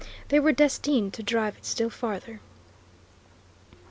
They were destined to drive it still farther.